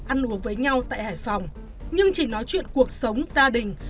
ăn uống với nhau tại hải phòng nhưng chỉ nói chuyện cuộc sống gia đình